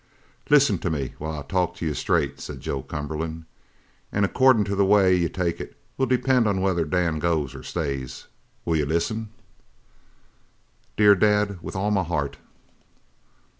"Listen to me while I talk to you straight," said Joe Cumberland, "and accordin' to the way you take it will depend whether Dan goes or stays. Will you listen?" "Dear Dad, with all my heart!"